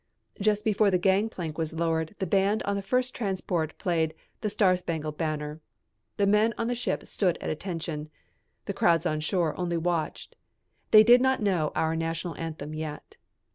Just before the gangplank was lowered the band on the first transport played "The Star Spangled Banner." The men on the ship stood at attention. The crowds on shore only watched. They did not know our national anthem yet.